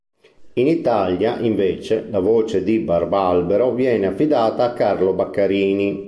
In Italia, invece, la voce di Barbalbero venne affidata a Carlo Baccarini.